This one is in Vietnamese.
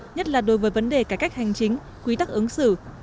nhất là đối với vấn đề cải cách hành chính quy tắc ứng xử